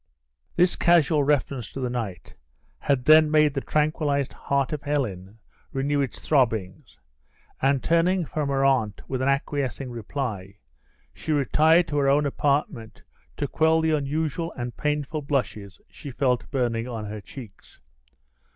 This casual reference to the knight had then made the tranquilized heart of Helen renew its throbbings, and turning from her aunt with an acquiescing reply, she retired to her own apartment to quell the unusual and painful blushes she felt burning on her cheeks.